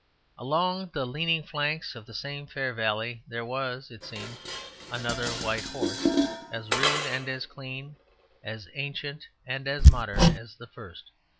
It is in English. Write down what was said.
Along the leaning flanks of the same fair valley there was (it seemed) another white horse; as rude and as clean, as ancient and as modern, as the first.